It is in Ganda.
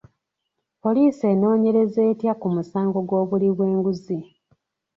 Poliisi enoonyereza etya ku musango gw'obuli bw'enguzi?